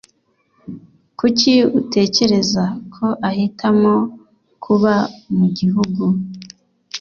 Kuki utekereza ko ahitamo kuba mu gihugu?